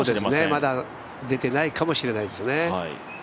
まだ出てないかもしれないですね。